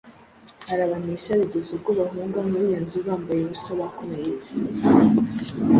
arabanesha, bigeza ubwo bahunga muri iyo nzu bambaye ubusa bakomeretse.”